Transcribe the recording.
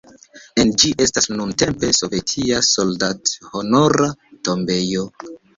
En ĝi estas nuntempe sovetia soldathonora tombejo.